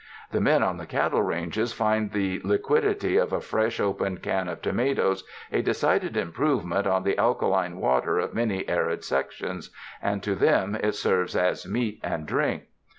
The men on the cattle ranges find the liquidity of a fresh opened can of tomatoes a decided improvement on the alkaline water of many arid sections, and to them it serves as meat and drink.